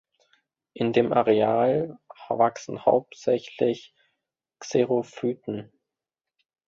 In dem Areal wachsen hauptsächlich Xerophyten.